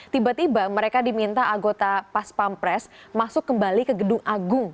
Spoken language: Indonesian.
tiba tiba mereka diminta agota paspampres masuk kembali ke gedung agung